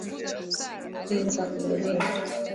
Tupende familia zetu